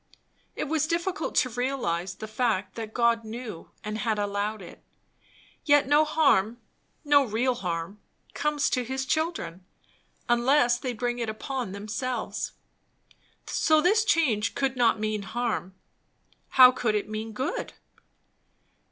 It was difficult to realize the fact that God knew and had allowed it. Yet no harm, no real harm, comes to his children, unless they bring it upon themselves; so this change could not mean harm. How could it mean good?